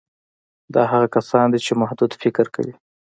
دا هغه کسان دي چې محدود فکر کوي